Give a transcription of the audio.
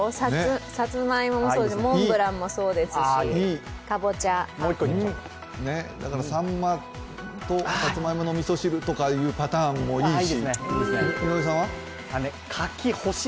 さつまいもそうですし、モンブランもそうですし、かぼちゃさんまと、さつまいものみそ汁とかいうパターンもいいし。